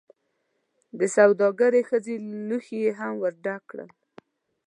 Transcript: دسوداګرې ښځې لوښي هم ورډک کړل.